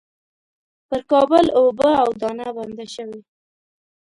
پر کابل اوبه او دانه بنده شوې.